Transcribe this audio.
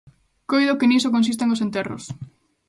Coido que niso consisten os enterros.